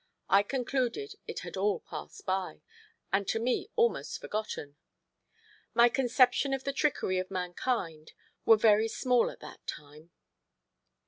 I concluded it had all passed by, and to me almost forgotten. My conception of the trickery of mankind were very small at that time.